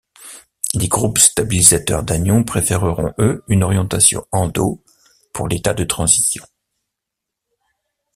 Les groupes stabilisateurs d'anion préféreront eux une orientation endo pour l'état de transition.